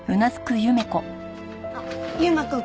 あっ悠馬くん